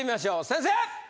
先生！